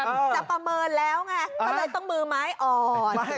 จะประเมินแล้วไงก็เลยต้องมือไม้อ่อน